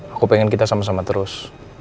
aku pengen kita sama sama terus